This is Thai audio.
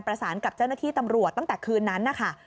ประสานกับเจ้าหน้าที่ตำรวจตั้งแต่คืนนั้นนะคะ